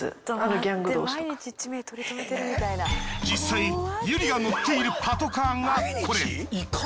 実際ＹＵＲＩが乗っているパトカーがこれ。